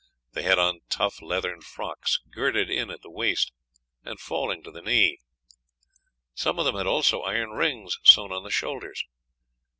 They had on tough leathern frocks, girded in at the waist, and falling to the knee; some of them had also iron rings sewn on the shoulders.